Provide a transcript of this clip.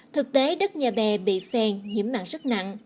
thực tế đất nhà bè bị phèn nhiễm mặn rất nặng